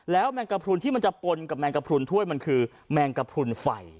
แมงกระพรุนที่มันจะปนกับแมงกระพรุนถ้วยมันคือแมงกระพรุนไฟ